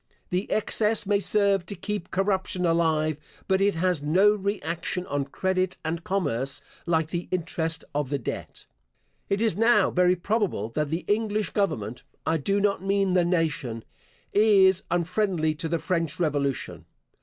The excess may serve to keep corruption alive, but it has no re action on credit and commerce, like the interest of the debt. It is now very probable that the English Government (I do not mean the nation) is unfriendly to the French Revolution.